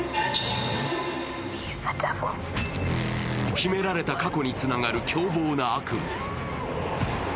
秘められた過去につながる狂暴な悪夢。